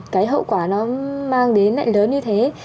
cái hậu quả nó mang đến lại lớn như thế